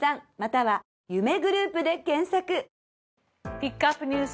ピックアップＮＥＷＳ